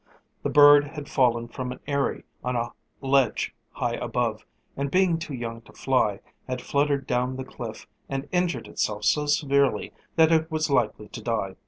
The bird had fallen from an aery on a ledge high above, and being too young to fly, had fluttered down the cliff and injured itself so severely that it was likely to die.